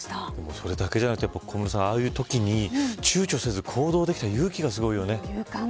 それだけじゃなくて小室さんああいうときに、ちゅうちょせず行動ができて勇気がすごいよね。